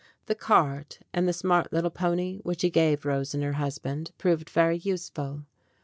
The cart and the smart little pony which he gave Rose and her husband proved very useful.